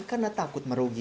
karena takut merugi